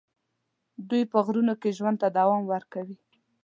دوی په غرونو کې ژوند ته دوام ورکوي.